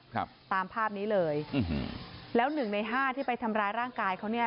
ครับตามภาพนี้เลยแล้ว๑ใน๕ที่ไปทำร้ายร่างกายเขาเนี่ย